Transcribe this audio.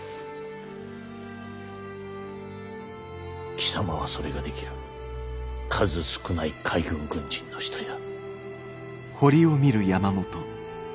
貴様はそれができる数少ない海軍軍人の一人だ。